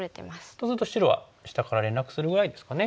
とすると白は下から連絡するぐらいですかね。